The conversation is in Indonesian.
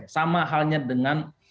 sama halnya dengan